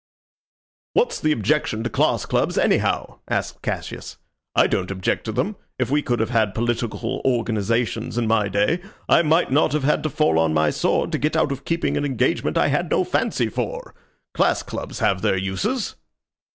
"What's the objection to class clubs, anyhow?" asked Cassius. "I don't object to them. If we could have had political organizations in my day I might not have had to fall on my sword to get out of keeping an engagement I had no fancy for. Class clubs have their uses."